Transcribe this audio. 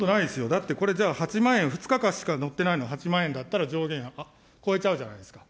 だって、これ、じゃあ、８万円、２日間しかのってないのに８万円だったら、上限超えちゃうじゃないですか。